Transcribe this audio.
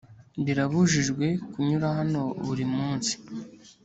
birabujijwe kunyura hano buri munsi